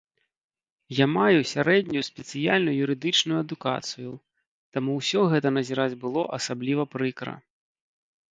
Я маю сярэднюю спецыяльную юрыдычную адукацыю, таму ўсё гэта назіраць было асабліва прыкра.